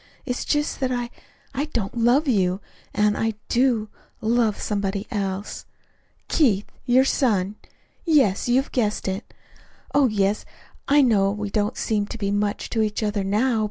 It's just that I I don't love you and I do love somebody else Keith, your son yes, you have guessed it. Oh, yes, I know we don't seem to be much to each other, now.